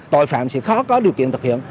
tội phạm sẽ khó có điều kiện thực hiện